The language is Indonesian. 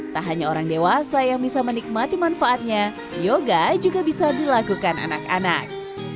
tak hanya orang dewasa yang bisa menikmati manfaatnya yoga juga bisa dilakukan anak anak